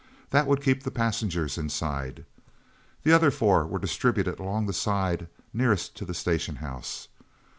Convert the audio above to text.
That would keep the passengers inside. The other four were distributed along the side nearest to the station house.